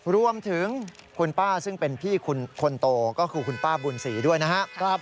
รวมถึงคุณป้าซึ่งเป็นพี่คนโตก็คือคุณป้าบุญศรีด้วยนะครับ